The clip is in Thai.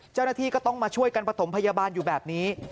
เจ้าหน้าที่ก็ต้องมาช่วยกันประถมพยาบาลอยู่แบบนี้